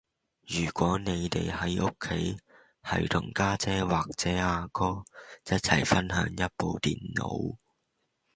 如果你哋喺屋企係同家姐或者阿哥一齊分享一部電腦